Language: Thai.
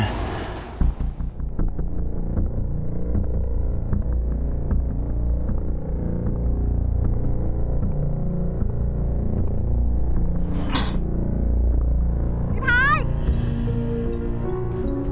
อ่า